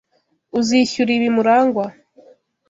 Uzishyura ibi, Murangwa.